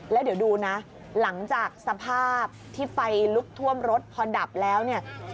แล้วเดี๋ยวดูนะหลังจากสภาพที่ไฟลุกท่วมรถพอดับแล้วเนี่ย